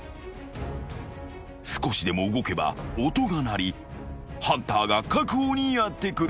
［少しでも動けば音が鳴りハンターが確保にやって来る］